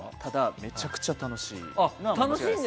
めちゃくちゃ楽しいです。